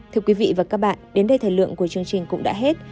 thưa quý vị và các bạn đến đây thời lượng của chương trình cũng đã hết